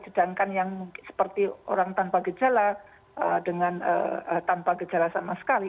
sedangkan yang seperti orang tanpa gejala tanpa gejala sama sekali